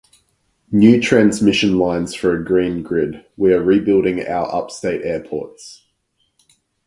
New transmission lines for a green grid. We are rebuilding our upstate airports.